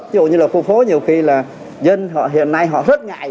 ví dụ như là khu phố nhiều khi là dân họ hiện nay họ rất ngại